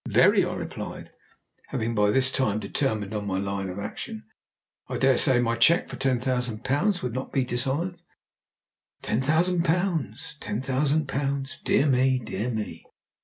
"Very!" I replied, having by this time determined on my line of action. "I daresay my cheque for ten thousand pounds would not be dishonoured." "Ten thousand pounds! Ten thousand pounds! Dear me, dear me!"